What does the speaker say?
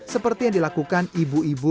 seperti yang dilakukan ibu ibu